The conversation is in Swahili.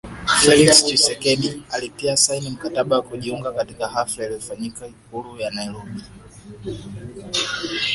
Felix Tchisekedi alitia saini mkataba wa kujiunga katika hafla iliyofanyika Ikulu ya Nairobi